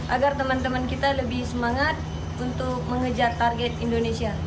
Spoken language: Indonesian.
agar teman teman kita lebih semangat untuk mengejar target indonesia